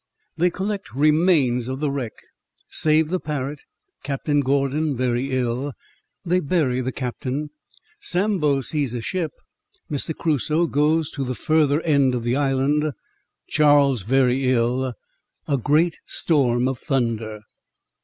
They collect Remains of the Wreck—Save the Parrot—Captain Gordon very ill—They bury the Captain—Sambo sees a Ship—Mr. Crusoe goes to the further end of the Island—Charles very ill—A great Storm of Thunder, &c.